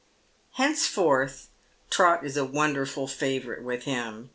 Henceforward Trot is a wonderful favourite with him.